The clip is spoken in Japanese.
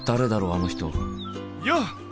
あの人よう！